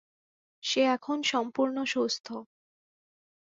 সে এখন সম্পূর্ণ সুস্থ।